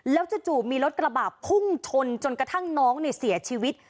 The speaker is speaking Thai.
แล้วจู่มีรถกระบะพุ่งชนจนกระทั่งน้องเสียชีวิต